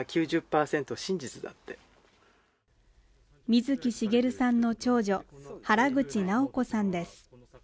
水木しげるさんの長女原口尚子さんです